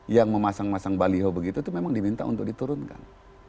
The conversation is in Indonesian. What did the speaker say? yang memasang masang baliho begitu itu memang diminta untuk diturunkan